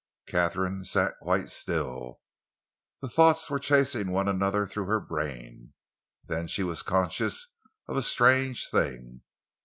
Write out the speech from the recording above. Katharine sat quite still. The thoughts were chasing one another through her brain. Then she was conscious of a strange thing.